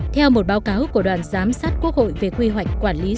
theo một báo cáo của đoàn giám sát quốc hội về quy hoạch